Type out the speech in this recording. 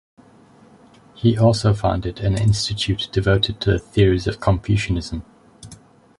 He also founded an institute devoted to the theories of Confucianism.